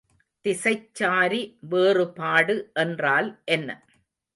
திசைச்சாரி வேறுபாடு என்றால் என்ன?